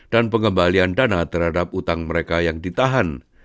dan pengembalian dana terhadap hutang mereka yang ditahan